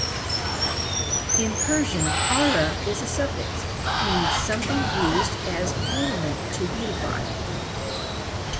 In Persian "ara" is a suffix means something used as ornament to beautify.